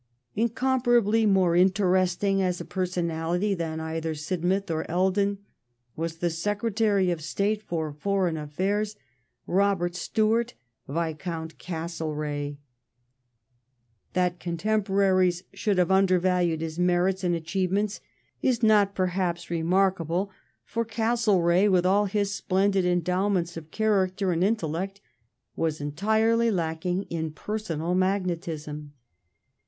Incomparably more interesting as a pei*sonality than either Sidmouth or Eldon was the Secretary of State for Foreign affaire — Robert Stewart, Viscount Castlereagh. That contemporaries should have undervalued his merits and achievements is not perhaps re markable; for Castlereagh with all his splendid endowments of character and intellect was entirely lacking in personal magnetism.